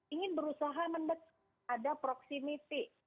ingin berusaha mendekat ada proximity